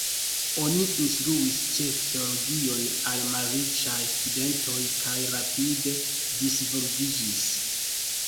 Oni instruis ĉefe teologion al malriĉaj studentoj, kaj rapide disvolviĝis.